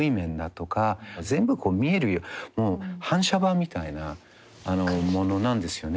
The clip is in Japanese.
もう反射板みたいなものなんですよね。